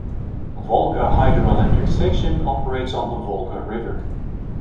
Volga Hydroelectric Station operates on the Volga River.